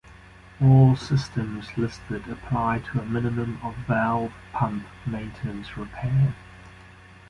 All systems listed apply to a minimum of valve, pump maintenance repair.